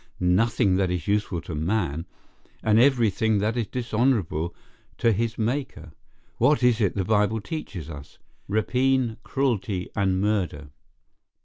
Nothing that is useful to man, and every thing that is dishonourable to his Maker. What is it the Bible teaches us?—repine, cruelty, and murder.